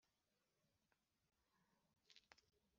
rikanagera imiterere imikorere n ububasha